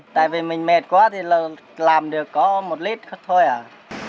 tại vì mình mệt quá thì làm được có một lít thôi à